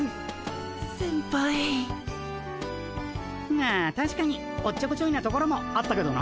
まあたしかにおっちょこちょいなところもあったけどな。